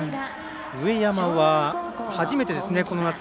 上山は、初めてですねこの夏。